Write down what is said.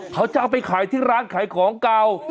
เขาจะเอาไปขายที่ร้านขายของเก่า